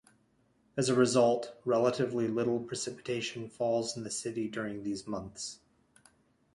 As a result, relatively little precipitation falls in the city during these months.